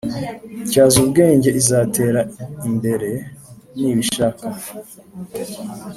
Tyazubwenge izatera imbere nibishaka